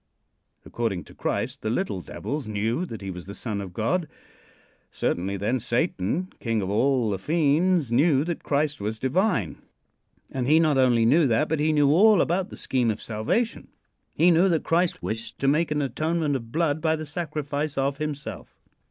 According to Christ the little devils knew that he was the Son of God. Certainly, then, Satan, king of all the fiends, knew that Christ was divine. And he not only knew that, but he knew all about the scheme of salvation. He knew that Christ wished to make an atonement of blood by the sacrifice of himself.